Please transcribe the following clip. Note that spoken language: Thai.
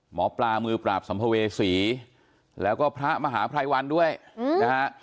หมอปลามือปราบสัมภเวษีแล้วก็พระมหาภัยวันด้วยนะฮะ